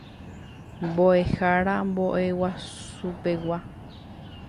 Mboʼehára Mboʼehaovusupegua.